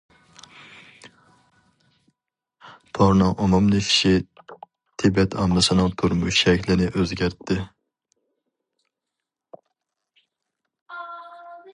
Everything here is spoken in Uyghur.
تورنىڭ ئومۇملىشىشى تىبەت ئاممىسىنىڭ تۇرمۇش شەكلىنى ئۆزگەرتتى.